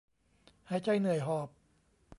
หายใจเหนื่อยหอบ